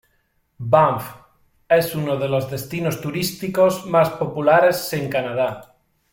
Banff es uno de los destinos turísticos más populares en Canadá.